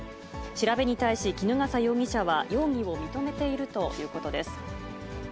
調べに対し衣笠容疑者は、容疑を認めているということです。